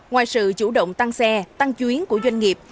ngoài sự chủ động tăng xe tăng chuyến của doanh nghiệp